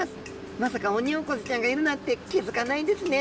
まさかオニオコゼちゃんがいるなんて気付かないんですね！